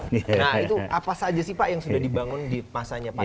nah itu apa saja sih pak yang sudah dibangun di masanya pak